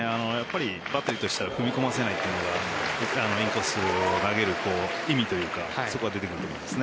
バッテリーとしては踏み込ませないというのがインコースを投げる意味というかそこが出てくると思います。